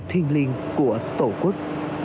thiên liên của tổ quốc